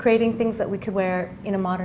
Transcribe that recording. hal hal yang bisa kita pakaikan dalam konteks modern